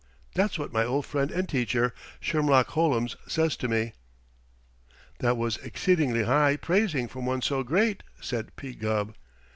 That's what my old friend and teacher, Shermlock Hollums, says to me." "That was exceedingly high praising from one so great," said P. Gubb.